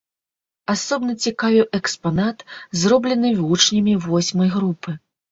Асобна цікавіў экспанат, зроблены вучнямі восьмай групы.